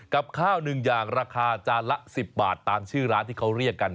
กับข้าวหนึ่งอย่างราคาจานละ๑๐บาทตามชื่อร้านที่เขาเรียกกัน